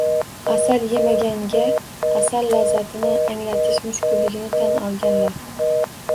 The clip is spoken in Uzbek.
Asal yemaganga asal lazzatini anglatish mushkulligini tan olganlar